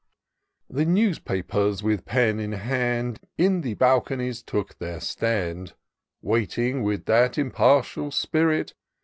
" The Newspapers, with pen in hitnd, In the balconies took their stand ; Waiting, with that impartial spirit.